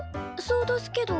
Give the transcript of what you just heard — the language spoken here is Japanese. そうどすけど。